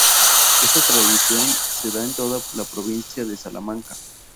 Esta tradición se da en toda la provincia de Salamanca.